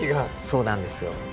そうなんですよ。